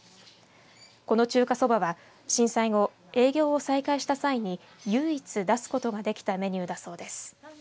この中華そばは、震災後営業を再開した際に唯一出すことができたメニューだそうです。